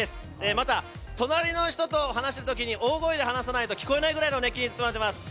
また、隣の人と話したときに大声で話さないと聞こえないくらいの熱気に包まれています。